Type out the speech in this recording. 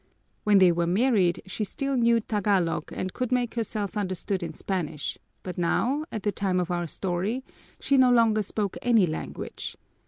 When they were married she still knew Tagalog and could make herself understood in Spanish, but now, at the time of our story, she no longer spoke any language.